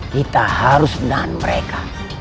kita harus menahan mereka